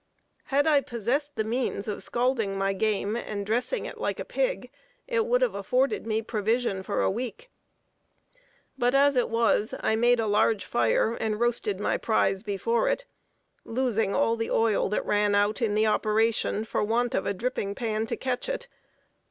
Had I possessed the means of scalding my game, and dressing it like a pig, it would have afforded me provision for a week; but as it was, I made a large fire and roasted my prize before it, losing all the oil that ran out in the operation, for want of a dripping pan to catch it.